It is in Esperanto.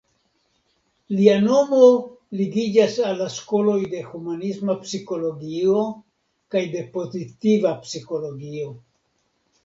Lia nomo ligiĝas al la skoloj de humanisma psikologio kaj de pozitiva psikologio.